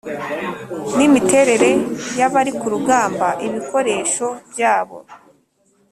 n'imiterere y'abari ku rugamba, ibikoresho byabo